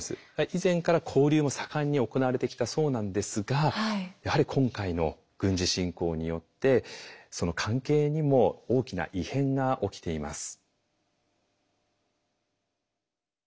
以前から交流も盛んに行われてきたそうなんですがやはり今回の軍事侵攻によってその関係にも大きな異変が起きています。